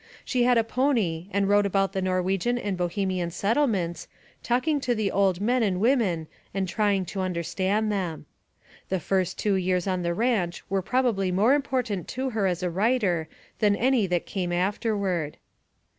She had a pony and rode about the Norwegian and Bohemian settlements, talking to the old men and women and trying to understand them. The first two years on the ranch were probably more important to her as a writer than any that came afterward.